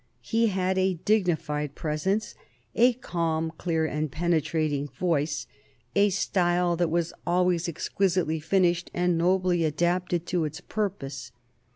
He had a dignified presence, a calm, clear, and penetrating voice, a style that was always exquisitely finished and nobly adapted to its purpose.